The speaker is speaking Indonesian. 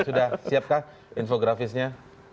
sudah siapkah infografisnya